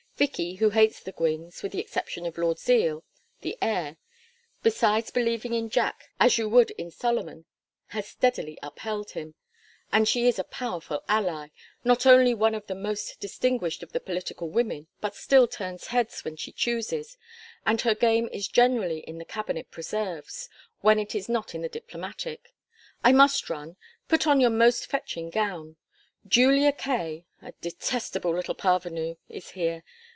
Vicky, who hates the Gwynnes, with the exception of Lord Zeal, the heir, besides believing in Jack as you would in Solomon, has steadily upheld him; and she is a powerful ally not only one of the most distinguished of the political women, but still turns heads when she chooses, and her game is generally in the cabinet preserves, when it is not in the diplomatic. I must run. Put on your most fetching gown. Julia Kaye, a detestable little parvenu, is here.